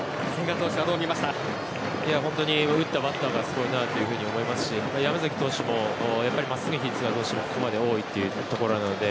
打ったバッターがすごいなと思いますし山崎投手も真っすぐの比率がここまで多いというところなので。